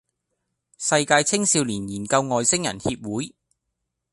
世界青少年研究外星人協會